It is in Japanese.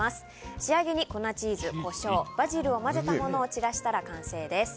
仕上げに粉チーズ、コショウバジルを混ぜたものを散らしたら完成です。